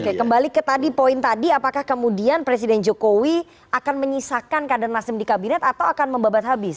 oke kembali ke tadi poin tadi apakah kemudian presiden jokowi akan menyisakan kader nasdem di kabinet atau akan membabat habis